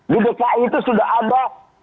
di dki itu sudah ada tujuh puluh ribu